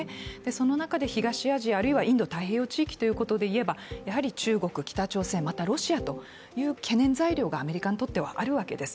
その中で東アジア、あるいはインド太平洋地域ということでいえば、やはり中国、北朝鮮、またロシアという懸念材料がアメリカにとってはあるわけです。